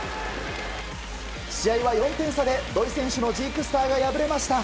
試合は４点差で土井選手のジークスターが敗れました。